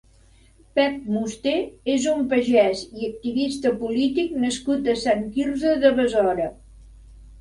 Pep Musté és un pagès i activista polític nascut a Sant Quirze de Besora.